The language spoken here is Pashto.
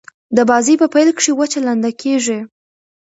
د بازي په پیل کښي وچه لنده کیږي.